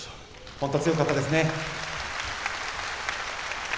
本当に強かったですね。